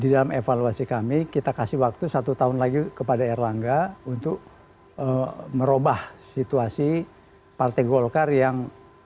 di dalam evaluasi kami kita kasih waktu satu tahun lagi kepada erlangga untuk merubah situasi partai golkar yang